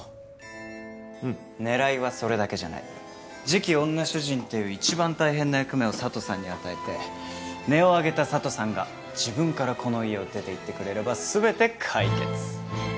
次期女主人っていう一番大変な役目を佐都さんに与えて音を上げた佐都さんが自分からこの家を出ていってくれれば全て解決。